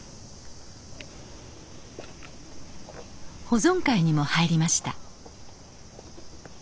保存会にも入りました。